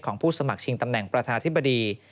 ผู้สมัครชิงตำแหน่งประธานธิบดี